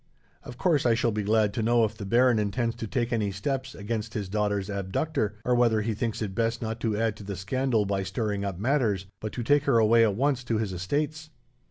Of course, I shall be glad to know if the baron intends to take any steps against his daughter's abductor, or whether he thinks it best not to add to the scandal by stirring up matters, but to take her away at once to his estates."